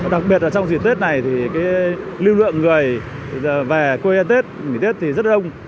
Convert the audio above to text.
đặc biệt là trong dịp tết này thì cái lưu lượng người về quê tết thì rất là đông